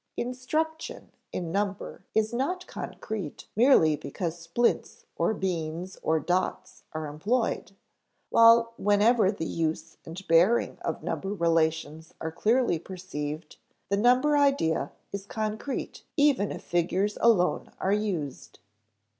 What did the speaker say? Instruction in number is not concrete merely because splints or beans or dots are employed, while whenever the use and bearing of number relations are clearly perceived, the number idea is concrete even if figures alone are used.